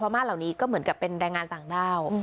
มาเหล่านี้ก็เหมือนกับเป็นแรงงานต่างด้าว